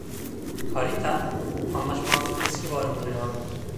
Harita, anlaşmazlık riski barındırıyordu.